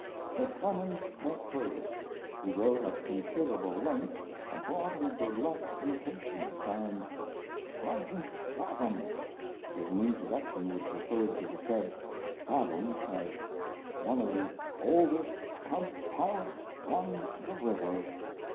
But Clemens went further; he wrote at considerable length a broadly burlesque imitation signed "Sergeant Fathom," with an introduction which referred to the said Fathom as "one of the oldest cub pilots on the river."